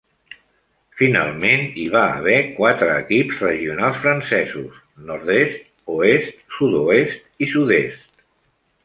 Finalment, hi va haver quatre equips regionals francesos: Nord-est, Oest, Sud-oest i Sud-est.